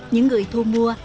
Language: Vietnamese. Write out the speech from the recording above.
những người thu mua